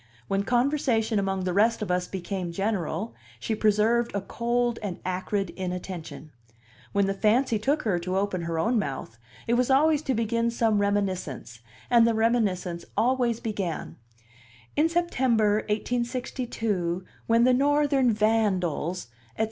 When conversation among the rest of us became general, she preserved a cold and acrid inattention; when the fancy took her to open her own mouth, it was always to begin some reminiscence, and the reminiscence always began: "In September, 1862, when the Northern vandals," etc.